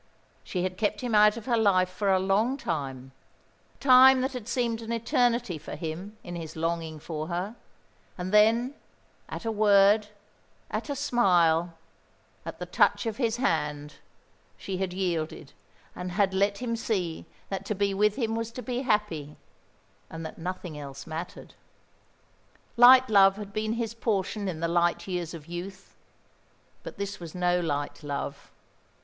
She had kept him out of her life for a long time time that had seemed an eternity for him, in his longing for her; and then, at a word, at a smile, at the touch of his hand, she had yielded, and had let him see that to be with him was to be happy, and that nothing else mattered. Light love had been his portion in the light years of youth; but this was no light love.